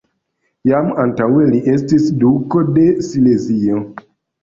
Jam antaŭe li estis duko de Silezio.